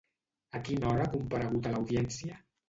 A quina hora ha comparegut a l'Audiència?